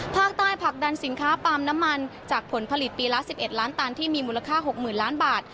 ภาคใต้ผลักดันสินค้าปาล์มน้ำมันจากผลผลิตปีละ๑๑ล้านตันที่มีมูลค่า๖๐๐๐ล้านบาท